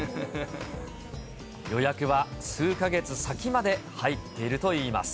予約は数か月先まで入っているといいます。